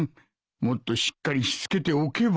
もっとしっかりしつけておけば。